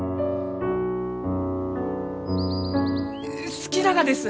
好きながです！